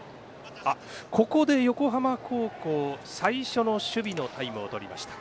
ここで横浜高校最初の守備のタイムをとりました。